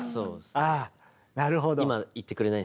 ああなるほど。